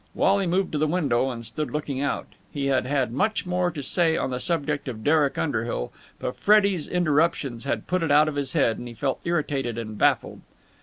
Wally moved to the window, and stood looking out. He had had much more to say on the subject of Derek Underhill, but Freddie's interruptions had put it out of his head, and he felt irritated and baffled.